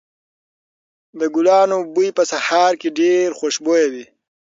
د ګلانو بوی په سهار کې ډېر خوشبويه وي.